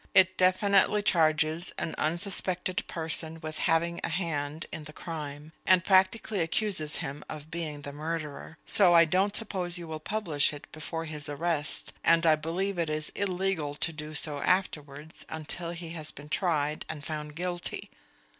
It definitely charges an unsuspected person with having a hand in the crime, and practically accuses him of being the murderer, so I don't suppose you will publish it before his arrest, and I believe it is illegal to do so afterwards until he has been tried and found guilty.